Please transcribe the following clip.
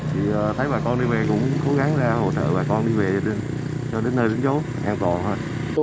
thì thấy bà con đi về cũng cố gắng ra hỗ trợ bà con đi về cho đến nơi đến chỗ an toàn thôi